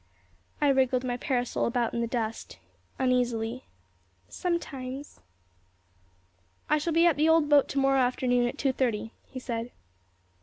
I wriggled my parasol about in the dust uneasily. "Sometimes." "I shall be at the old boat tomorrow afternoon at two thirty," he said.